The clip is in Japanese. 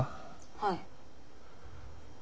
はい。